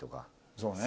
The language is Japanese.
そうね。